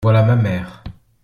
Voilà ma mère.